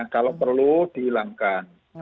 kalau perlu dihilangkan